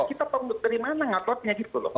kita dari mana ngototnya gitu loh